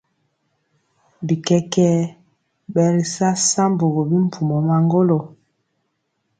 Bikɛkɛ ɓɛ ri sa sambugu bimpumɔ maŋgolo.